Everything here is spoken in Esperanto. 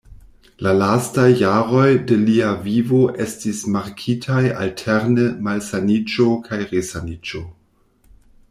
La lastaj jaroj de lia vivo estis markitaj alterne malsaniĝo kaj resaniĝo.